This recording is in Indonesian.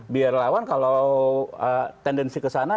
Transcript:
biar lawan kalau tendensi kesana